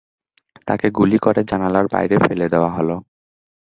তাকে গুলি করে জানালার বাইরে ফেলে দেওয়া হল।